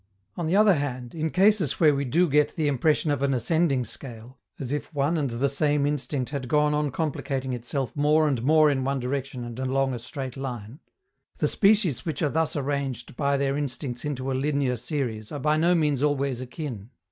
On the other hand, in cases where we do get the impression of an ascending scale, as if one and the same instinct had gone on complicating itself more and more in one direction and along a straight line, the species which are thus arranged by their instincts into a linear series are by no means always akin.